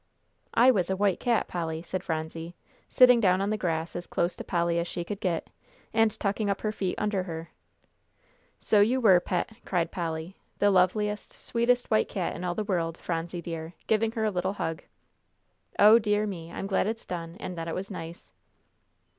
"I was a white cat, Polly," said Phronsie, sitting down on the grass as close to Polly as she could get, and tucking up her feet under her. "So you were, Pet," cried Polly, "the loveliest, sweetest white cat in all the world, Phronsie dear," giving her a little hug. "O dear me, I'm glad it's done, and that it was nice."